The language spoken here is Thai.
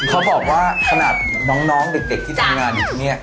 เขาบอกว่าขนาดน้องเด็กที่ทำงานอยู่ที่นี่